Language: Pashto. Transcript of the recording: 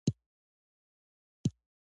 ښه فلم ذهن او زړه دواړه بوختوي.